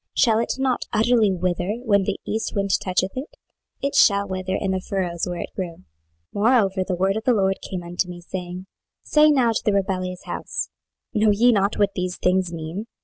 shall it not utterly wither, when the east wind toucheth it? it shall wither in the furrows where it grew. 26:017:011 Moreover the word of the LORD came unto me, saying, 26:017:012 Say now to the rebellious house, Know ye not what these things mean?